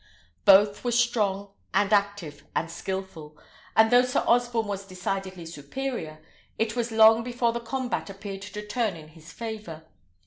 Both were strong, and active, and skilful; and though Sir Osborne was decidedly superior, it was long before the combat appeared to turn in his favour.